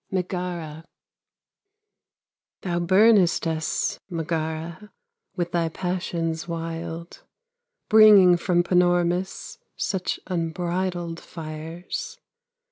MEGARA Thou burnest us, Megara, With thy passions wild; Bringing from Panormus Such unbridled fires.